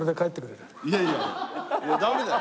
いやいやダメだよ。